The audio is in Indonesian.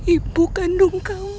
ibu kandung kamu